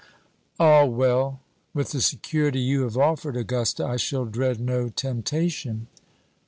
"Ah, well! with the security you have offered, Augusta, I shall dread no temptation."